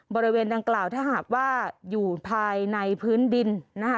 บริเวณดังกล่าวถ้าหากว่าอยู่ภายในพื้นดินนะคะ